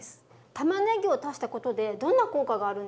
たまねぎを足したことでどんな効果があるんですか？